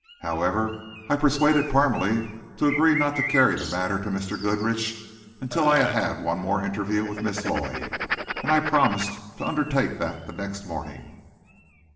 However, I persuaded Parmalee to agree not to carry the matter to Mr. Goodrich until I had had one more interview with Miss Lloyd, and I promised to undertake that the next morning.